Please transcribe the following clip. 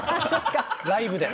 ライブで。